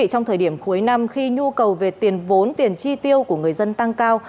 trong thời điểm cuối năm khi nhu cầu về tiền vốn tiền chi tiêu của người dân tăng cao